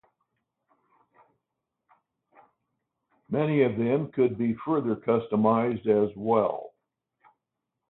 Many of them could be further customized as well.